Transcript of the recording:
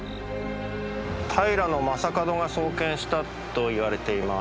平将門が創建したといわれています。